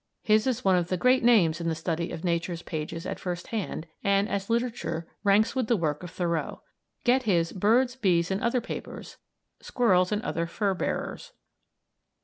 His is one of the great names in the study of Nature's pages at first hand and, as literature, ranks with the work of Thoreau. Get his "Birds, Bees and Other Papers," "Squirrels and Other Fur bearers."